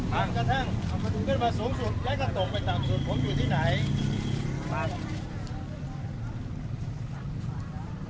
ห่างกระทั่งเคลื่อนมาสูงสุดแล้วก็ตกไปต่างสุดผมอยู่ที่ไหน